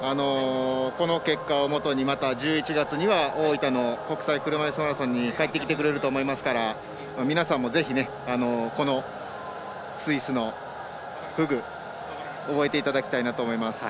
この結果をもとに１１月には大分の国際車いすマラソンに帰ってきてくれると思うので皆さんもスイスのフグ覚えていただきたいなと思います。